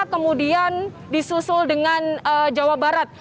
kemudian disusul dengan jawa barat